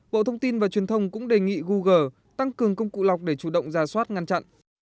bộ thông tin và truyền thông cũng đề nghị google tăng cường công cụ lọc để chủ động ra soát ngăn chặn